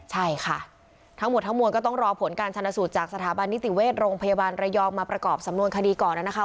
ใช่ค่ะทั้งหมดทั้งมวลก็ต้องรอผลการชนะสูตรจากสถาบันนิติเวชโรงพยาบาลระยองมาประกอบสำนวนคดีก่อนนะคะ